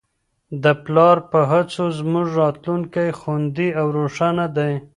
د پلار په هڅو زموږ راتلونکی خوندي او روښانه دی.